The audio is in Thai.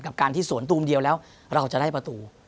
กับการที่สวนตูมเดียวแล้วเราจะได้ประตู